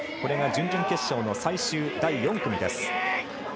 これが準々決勝の最終第４組です。